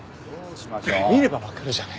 見ればわかるじゃない。